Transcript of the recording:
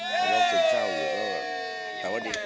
รับศึกเช่าแต่ว่าดี